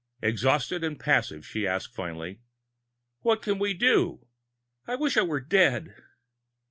Exhausted and passive, she asked finally: "What can we do? I wish I were dead!"